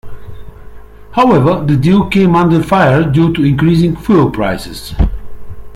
However, the deal came under fire due to increasing fuel prices.